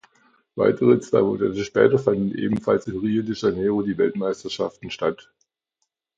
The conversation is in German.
Weitere zwei Monate später fanden ebenfalls in Rio de Janeiro die Weltmeisterschaften statt.